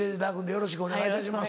よろしくお願いします。